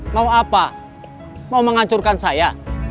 mau apa mau menghancurkan saya